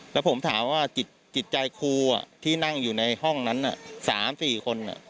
แล้วผมถามว่าจิตใจครูที่นั่งอยู่ในห้องนั้น๓๔คน